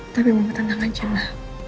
tapi mau ketenangan cuma